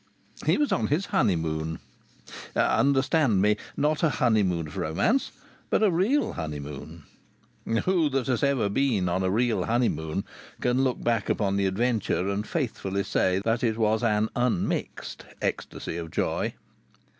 He was on his honeymoon. Understand me not a honeymoon of romance, but a real honeymoon. Who that has ever been on a real honeymoon can look back upon the adventure and faithfully say that it was an unmixed ecstasy of joy?